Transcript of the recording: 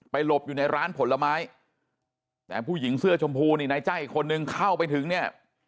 หลบอยู่ในร้านผลไม้แต่ผู้หญิงเสื้อชมพูนี่นายจ้างอีกคนนึงเข้าไปถึงเนี่ย